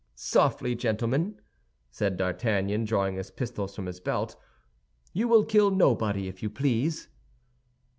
"Softly, gentlemen!" said D'Artagnan, drawing his pistols from his belt, "you will kill nobody, if you please!"